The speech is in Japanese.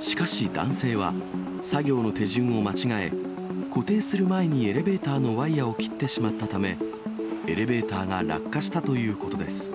しかし男性は、作業の手順を間違え、固定する前にエレベーターのワイヤを切ってしまったため、エレベーターが落下したということです。